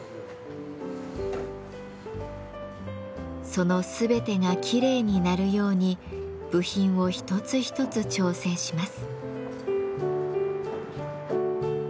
その全てがきれいに鳴るように部品を一つ一つ調整します。